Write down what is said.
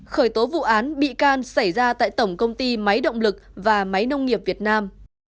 khởi tố vụ án bị can xảy ra tại tổng công ty máy động lực và máy nông nghiệp việt nam